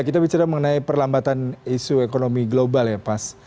kita bicara mengenai perlambatan isu ekonomi global ya mas